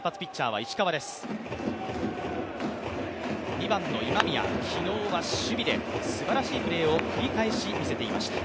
２番の今宮、昨日は守備ですばらしいプレーを繰り返し見せていました。